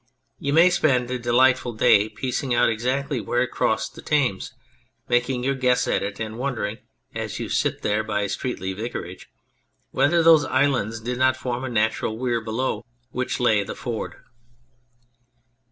You may spend a delightful day piecing out exactly where it crossed the Thames, making your guess at it, and wondering as you sit there by Streatley Vicarage whether those islands did not form a natural weir below which lay the ford.